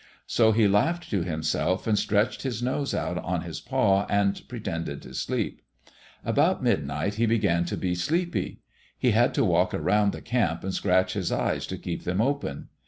So he laughed to himself and stretched his nose out on his paw and pretended to sleep. About midnight he began to be sleepy. He had to walk around the camp and scratch his eyes to keep them open.